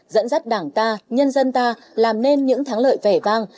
dẫn dắt đảng ta nhân dân ta làm nên những thắng lợi vẻ vang